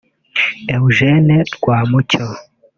Eugène Rwamucyo